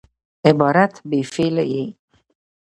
عبارت بې فعله يي.